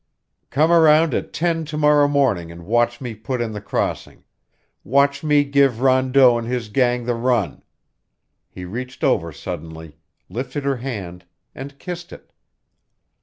"Come around at ten to morrow morning and watch me put in the crossing watch me give Rondeau and his gang the run." He reached over suddenly, lifted her hand, and kissed it.